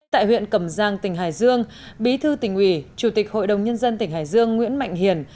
tại huyện cẩm giang tỉnh hải dương bí thư tỉnh ủy chủ tịch hội đồng nhân dân tỉnh hải dương nguyễn mạnh hiền